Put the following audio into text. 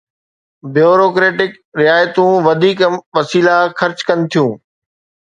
Bureaucratic رعايتون وڌيڪ وسيلا خرچ ڪن ٿيون.